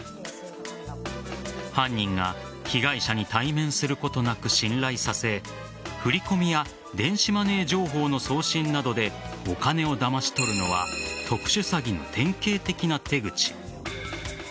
犯人が被害者に対面することなく信頼させ振り込みや電子マネー情報の送信などでお金をだまし取るのは特殊詐欺の典型的な手口。